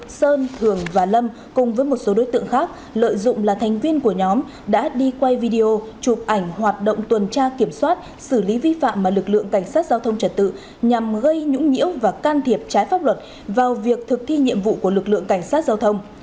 sơn thường và lâm cùng với một số đối tượng khác lợi dụng là thành viên của nhóm đã đi quay video chụp ảnh hoạt động tuần tra kiểm soát xử lý vi phạm mà lực lượng cảnh sát giao thông trật tự nhằm gây nhũng nhiễu và can thiệp trái pháp luật vào việc thực thi nhiệm vụ của lực lượng cảnh sát giao thông